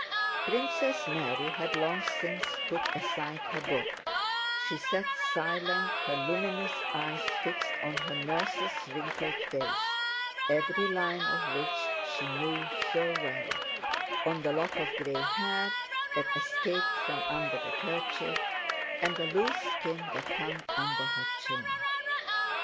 Princess Mary had long since put aside her book: she sat silent, her luminous eyes fixed on her nurse's wrinkled face (every line of which she knew so well), on the lock of gray hair that escaped from under the kerchief, and the loose skin that hung under her chin.